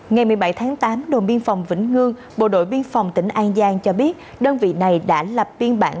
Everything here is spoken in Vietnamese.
ngày một mươi bảy tháng tám đồn biên phòng vĩnh ngư bộ đội biên phòng tỉnh an giang cho biết đơn vị này đã lập biên bản